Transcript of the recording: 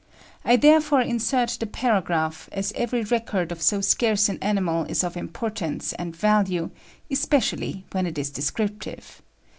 I therefore insert the paragraph, as every record of so scarce an animal is of importance and value, especially when it is descriptive.